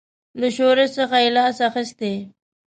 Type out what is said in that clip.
له شورش څخه یې لاس اخیستی.